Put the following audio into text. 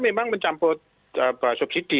memang mencampur subsidi